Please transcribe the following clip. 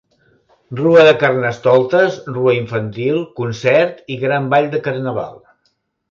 Rua de carnestoltes, rua infantil, concert i gran ball de carnaval.